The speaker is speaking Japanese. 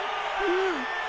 うん。